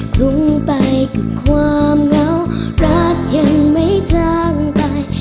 ตรงไปกับความเหงารักยังไม่จางไป